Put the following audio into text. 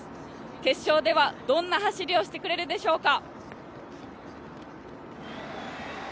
決勝ではどんな走りをしてくれるでしょうか。